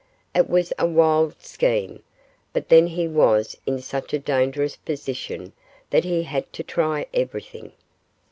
It was a wild scheme, but then he was in such a dangerous position that he had to try everything.